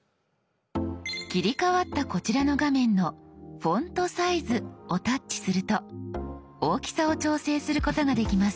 切り替わったこちらの画面の「フォントサイズ」をタッチすると大きさを調整することができます。